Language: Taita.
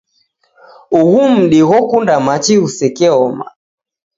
Ughu mdi ghokunda machi ghusekeoma.